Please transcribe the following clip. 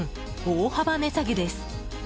大幅値下げです。